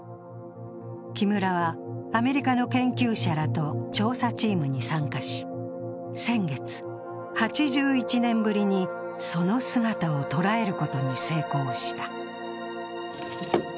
木村は、アメリカの研究者らと調査チームに参加し、先月、８１年ぶりにその姿を捉えることに成功した。